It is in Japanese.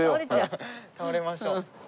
倒れましょう。